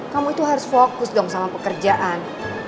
kamu itu harus fokus dong sama pekerjaan